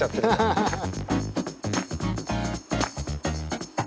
ハハハハハ。